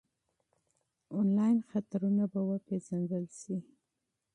انلاین خطرونه به وپېژندل شي.